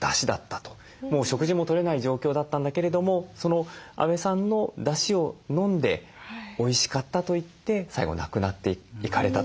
もう食事もとれない状況だったんだけれども阿部さんのだしを飲んで「おいしかった」と言って最期亡くなっていかれたと。